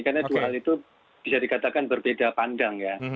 karena dua hal itu bisa dikatakan berbeda pandang ya